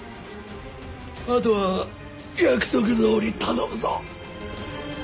あとは約束どおり頼むぞ。